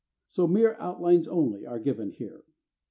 So mere outlines only are given here.